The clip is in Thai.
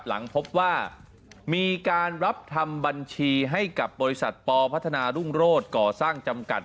หลังพบว่ามีการรับทำบัญชีให้กับบริษัทปพัฒนารุ่งโรศก่อสร้างจำกัด